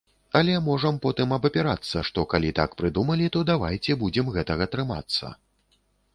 Але можам потым абапірацца, што калі так прыдумалі, то давайце будзем гэтага трымацца.